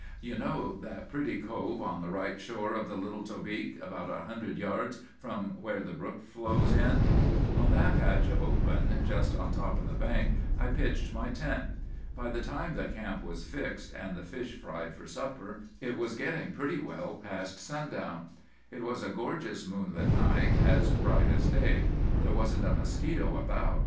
"'You know that pretty cove on the right shore of the Little Tobique, about a hundred yards from where the brook flows in? On that patch of open just on top of the bank I pitched my tent. By the time the camp was fixed, and the fish fried for supper, it was getting pretty well past sundown. It was a gorgeous moonlight night, as bright as day. There wasn't a mosquito about.